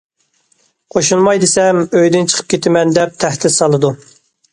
قوشۇلماي دېسەم، ئۆيدىن چىقىپ كېتىمەن دەپ تەھدىت سالىدۇ.